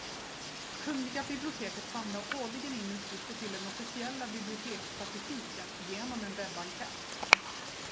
Kungliga biblioteket samlar årligen in uppgifter till den officiella biblioteksstatistiken genom en webbenkät.